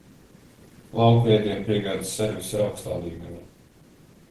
Lauku ēdienu piegādes serviss ir augstā līmenī.